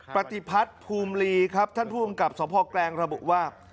ปฏิพัฒน์ภูมิลีครับท่านผู้กำกับสพแกลงระบุว่า